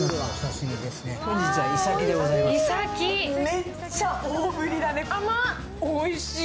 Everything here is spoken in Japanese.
めっちゃ大ぶりだね、おいしい。